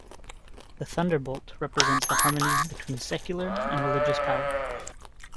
The thunderbolt represents the harmony between secular and religious power.